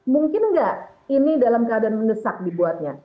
mungkin nggak ini dalam keadaan menesak dibuatnya